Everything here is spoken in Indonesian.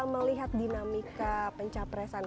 melihat dinamika pencapresan